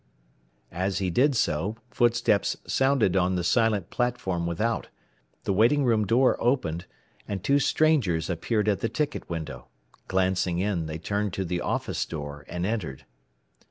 As he did so footsteps sounded on the silent platform without, the waiting room door opened, and two strangers appeared at the ticket window. Glancing in, they turned to the office door, and entered.